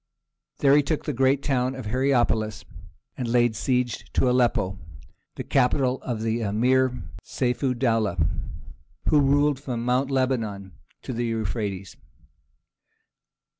There he took the great town of Hierapolis, and laid siege to Aleppo, the capital of the Emir Seyf ud dowleh, who ruled from Mount Lebanon to the Euphrates.